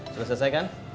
sudah selesai kan